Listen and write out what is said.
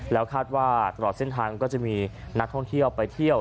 แล้วคาดว่าตลอดเส้นทางก็จะมีนักท่องเที่ยวไปเที่ยว